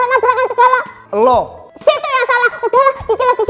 udah lah kiki lagi sibuk